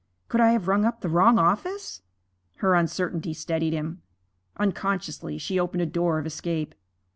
Could I have rung up the wrong office?' Her uncertainty steadied him. Unconsciously she opened a door of escape.